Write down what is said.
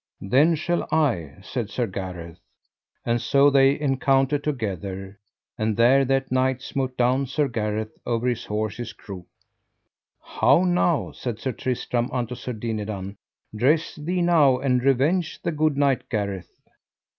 Then shall I, said Sir Gareth. And so they encountered together, and there that knight smote down Sir Gareth over his horse's croup. How now, said Sir Tristram unto Sir Dinadan, dress thee now and revenge the good knight Gareth.